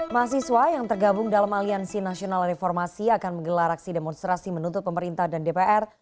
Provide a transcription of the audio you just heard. mahasiswa yang tergabung dalam aliansi nasional reformasi akan menggelar aksi demonstrasi menuntut pemerintah dan dpr